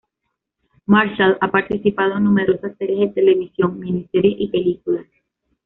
Marshall ha participado en numerosas series de televisión, miniseries y películas.